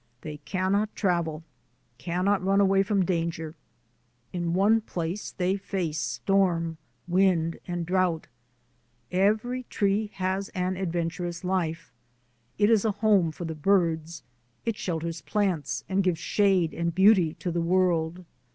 They cannot travel, cannot run away from danger. In one place they face storm, wind, and drouth. Every tree has an adventurous life. It is a home for the birds, it shelters plants, and gives shade and beauty to the world.